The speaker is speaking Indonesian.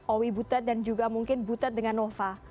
owi butet dan juga mungkin butet dengan nova